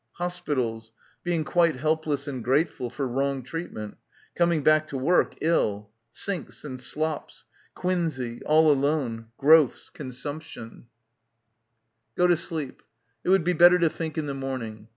Hospitals; being quite helpless and grateful for wrong treatment; coming back to work, ill. Sinks and slops ... quinsey, all alone ... growths ... consumption. — 154 — BACKWATER Go to sleep. It would be better to think in the morning.